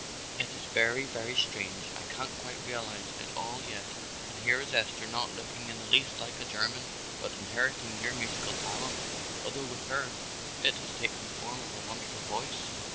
It is very, very strange, I can't quite realize it all yet and here is Esther not looking in the least like a German but inheriting your musical talent, although with her it has taken the form of a wonderful voice."